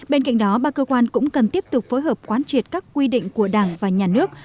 bên cạnh đó ba cơ quan cũng cần tiếp tục phối hợp quán triệt các quy định của đảng và nhà nước